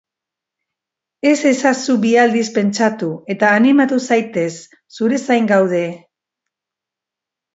Ez ezazu bi aldiz pentsatu eta animatu zaitez, zure zain gaude!